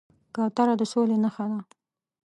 کوتره د سولې نښه ده.